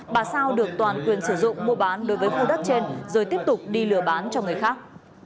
bà sao được toàn quyền sử dụng mua bán đối với khu đất trên rồi tiếp tục đi lừa bán cho người khác